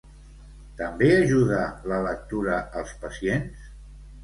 També ajuda la lectura als pacients?